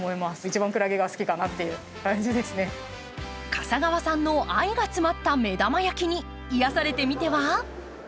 笠川さんの愛が詰まった目玉焼きに癒やされてみては？